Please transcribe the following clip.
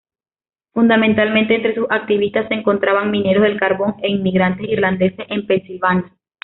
Fundamentalmente entre sus activistas se encontraban mineros del carbón e inmigrantes irlandeses en Pensilvania.